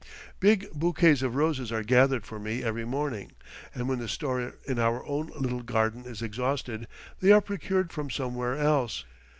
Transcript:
Big bouquets of roses are gathered for me every morning, and when the store in our own little garden is exhausted they are procured from somewhere else.